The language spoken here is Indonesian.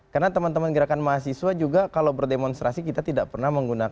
karena teman teman gerakan mahasiswa juga kalau berdemonstrasi kita tidak pernah mengatakan